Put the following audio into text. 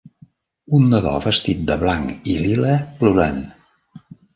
Un nadó vestit de blanc i lila plorant